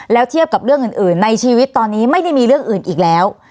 แล้วเทียบกับเรื่องอื่นในชีวิตตอนนี้ไม่ได้มีเรื่องอื่นอีกแล้ว